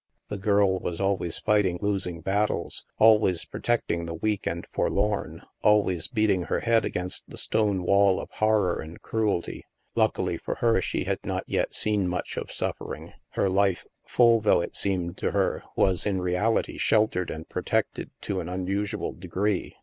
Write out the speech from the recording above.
The girl was always fighting losing battles, always protecting the weak and forlorn, always beating her head against the stone wall of horror and cruelty. Luckily for her, she had not yet seen much of suf fering. Her life, full though it seemed to her, was in reality sheltered and protected to an unusual de gree.